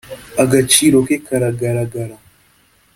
Agaciro ke karagaragara.